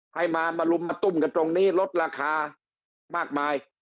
ให้มามาลุมมาตุ้มกันตรงนี้ลดราคามากมาย